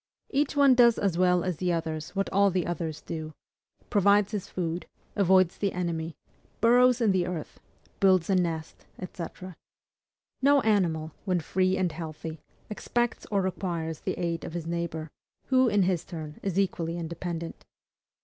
Each one does as well as all the others what all the others do; provides his food, avoids the enemy, burrows in the earth, builds a nest, &c. No animal, when free and healthy, expects or requires the aid of his neighbor; who, in his turn, is equally independent.